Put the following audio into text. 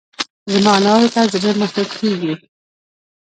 زما انارو ته زړه مښل کېږي.